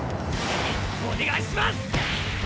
お願いします！